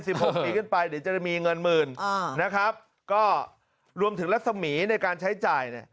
หกปีขึ้นไปเดี๋ยวจะได้มีเงินหมื่นอ่านะครับก็รวมถึงรัศมีร์ในการใช้จ่ายเนี่ย